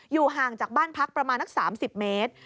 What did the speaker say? ห่างจากบ้านพักประมาณนัก๓๐เมตร